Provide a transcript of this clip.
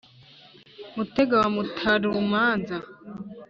mutega wa mutarumanza